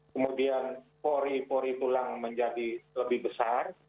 kemudian pori pori tulang menjadi lebih besar